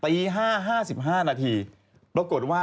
เยอะ